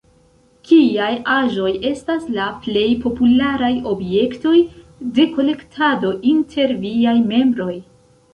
Kiaj aĵoj estas la plej popularaj objektoj de kolektado inter viaj membroj?